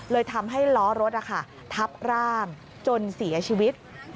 เลยทำให้ล้อรถทับร่างจนเสียชีวิต